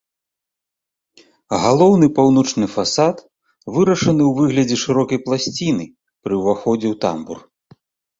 Галоўны паўночны фасад вырашаны ў выглядзе шырокай пласціны, пры ўваходзе тамбур.